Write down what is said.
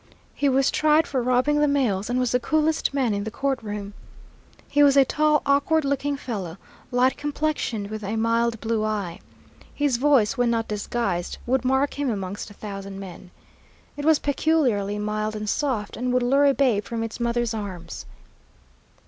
He was tried for robbing the mails, and was the coolest man in the court room. He was a tall, awkward looking fellow, light complexioned, with a mild blue eye. His voice, when not disguised, would mark him amongst a thousand men. It was peculiarly mild and soft, and would lure a babe from its mother's arms.